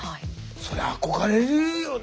そりゃ憧れるよね。